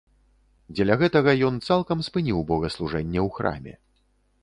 Дзеля гэтага ён цалкам спыніў богаслужэнне ў храме.